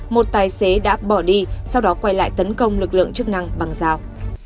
một tài xế đã bỏ đi sau đó quay lại tấn công lực lượng chức năng bằng dao